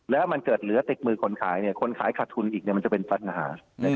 แล้วมันเกิดเหลือติดมือคนขายคนขายขาดทุนอีกมันจะเป็นปัญหา